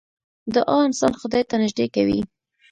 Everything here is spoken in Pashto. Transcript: دعا انسان خدای ته نژدې کوي .